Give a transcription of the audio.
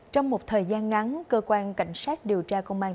trong một thời gian ngắn cơ quan cảnh sát điều tra công an